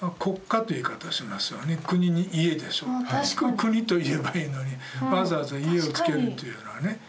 国と言えばいいのにわざわざ家をつけるというのはね